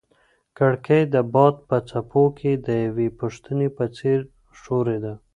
کړکۍ د باد په څپو کې د یوې پوښتنې په څېر ښورېده.